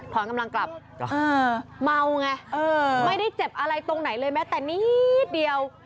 กำลังกลับเมาไงไม่ได้เจ็บอะไรตรงไหนเลยแม้แต่นิดเดียว